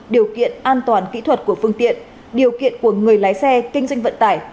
điều kiện an toàn kỹ thuật của phương tiện điều kiện của người lái xe kinh doanh vận tải